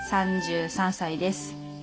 ３３歳です。